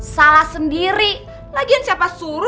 salah sendiri lagian siapa suruh